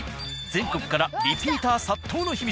全国からリピーター殺到の秘密